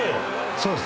そうです。